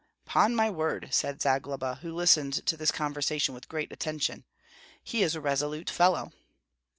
"'Pon my word," said Zagloba, who listened to this conversation with great attention, "he is a resolute fellow."